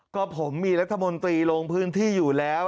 ก็ผมมีรัฐมนตรีลงพื้นที่อยู่แล้ว